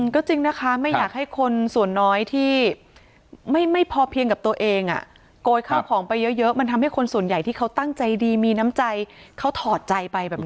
ก็จริงนะคะไม่อยากให้คนส่วนน้อยที่ไม่พอเพียงกับตัวเองโกยข้าวของไปเยอะมันทำให้คนส่วนใหญ่ที่เขาตั้งใจดีมีน้ำใจเขาถอดใจไปแบบนี้